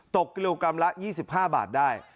ตกริวกรรมละ๒๕บาทได้